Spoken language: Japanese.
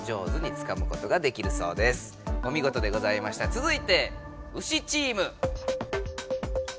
つづいてウシチーム。